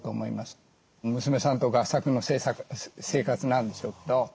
娘さんと合作の生活なんでしょうけど。